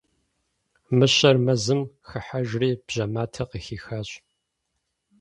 Мыщэр мэзым хыхьэжри, бжьэ матэ къыхихащ.